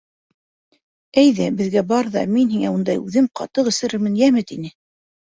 Әйҙә, беҙгә бар ҙа, мин һиңә унда үҙем ҡатыҡ эсерермен, йәме, — тине.